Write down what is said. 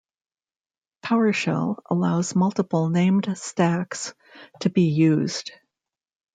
PowerShell allows multiple named stacks to be used.